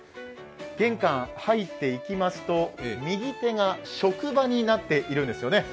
玄関入っていきますと右手が職場になっているんですよね。